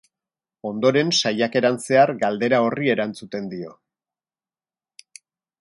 Ondoren, saiakeran zehar, galdera horri erantzuten dio.